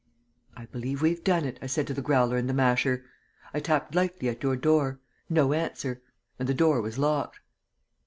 'I believe we've done it,' I said to the Growler and the Masher. I tapped lightly at your door. No answer. And the door was locked."